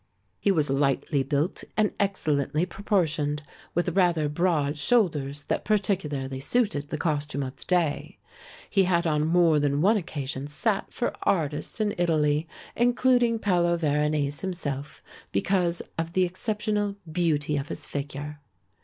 He was lightly built and excellently proportioned, with rather broad shoulders that particularly suited the costume of the day. He had on more than one occasion sat for artists in Italy, including Paolo Veronese himself, because of the exceptional beauty of his figure.